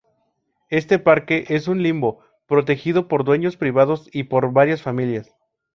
Este parque es un limbo, protegido por dueños privados y por varias familias.